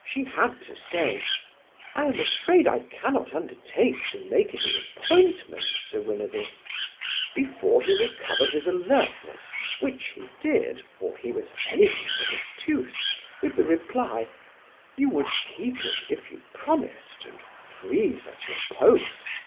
She had to say: "I am afraid I can not undertake to make it an appointment, Sir Willoughby," before he recovered his alertness, which he did, for he was anything but obtuse, with the reply, "You would keep it if you promised, and freeze at your post.